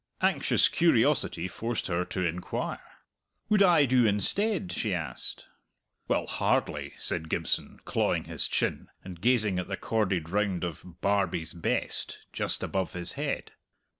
Anxious curiosity forced her to inquire. "Would I do instead?" she asked. "Well, hardly," said Gibson, clawing his chin, and gazing at a corded round of "Barbie's Best" just above his head.